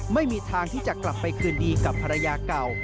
ไม่มีทางที่จะกลับไปคืนดีกับภรรยาเก่า